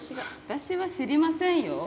私は知りませんよ。